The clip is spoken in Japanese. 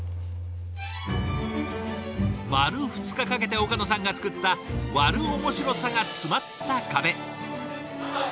丸２日かけて岡野さんが作った「悪おもしろさ」が詰まった壁。